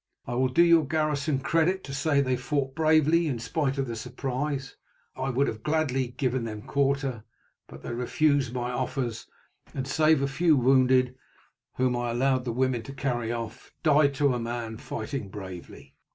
I will do your garrison credit to say they fought bravely in spite of the surprise. I would gladly have given them quarter, but they refused my offers, and, save a few wounded, whom I allowed the women to carry off, died to a man fighting bravely.